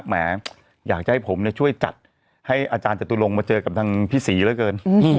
แหมอยากจะให้ผมช่วยจัดให้อาจารย์จตุรงค์มาเจอกับทางพี่ศรีเหลือเกิน